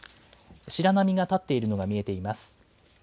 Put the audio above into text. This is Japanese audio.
白波が立っているのが見えています。